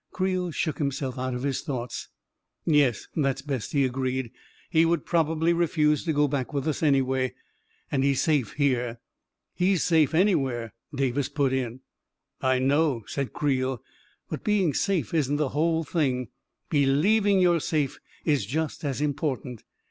Creel shook himself out of his thoughts. " Yes, that's best," he agreed. " He would prob ably refuse to go back with us, anyway; and he's safe here." 11 He's safe anywhere," Davis put in. " I know," said Creel; "but being safe isn't the whole thing — believing you're safe is just as im portant.